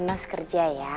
mas kerja ya